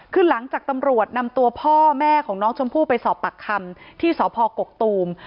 คือหลังจากตำรวจนำตัวพ่อแม่ของน้องชมพู่ไปสอบปากคำที่สพกกตูม